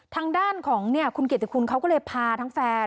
ทางด้านของเนี่ยคุณเกดฐิคุณเขาก็เลยพาทั้งแฟน